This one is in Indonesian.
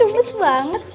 ngebut banget sih